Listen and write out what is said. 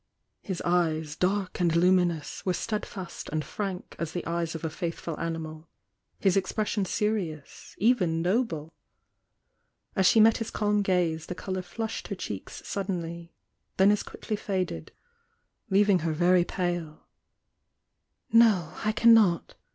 His eyes, dark and luminous, were steadfast and frank as the eyes of a faithful animal,— his expres sion serious,— even noble. As she met his C£jm gaze the colour flushed her cheeks suddenly, then as quickly faded, leaving her very pale. »J'^*?~^ cannot!"